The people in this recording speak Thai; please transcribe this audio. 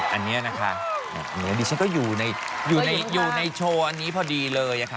อันนี้นะคะดิฉันก็อยู่ในโชว์อันนี้พอดีเลย